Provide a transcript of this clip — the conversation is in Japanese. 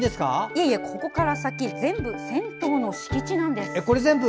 いえいえ、ここから先全部銭湯の敷地なんです。